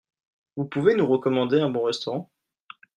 Vous pouvez nous recommander un bon restaurant ?